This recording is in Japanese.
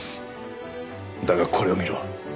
だがこれを見ろ。